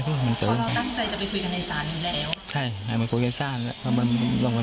พอเราตั้งใจจะไปคุยกันในสารนี้แล้ว